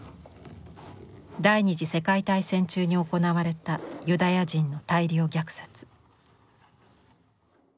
第２次大戦中に行われたユダヤ人の大量虐殺。